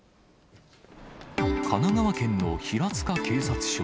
神奈川県の平塚警察署。